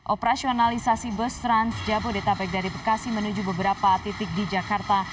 operasionalisasi bus trans jabodetabek dari bekasi menuju beberapa titik di jakarta